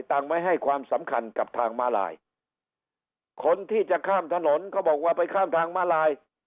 ต่างไม่ให้ความสำคัญกับทางมาลายคนที่จะข้ามถนนเขาบอกว่าไปข้ามทางมาลาย